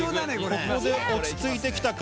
ここで落ち着いてきたか？